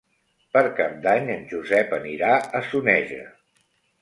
Per Cap d'Any en Josep anirà a Soneja.